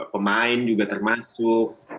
pemain juga termasuk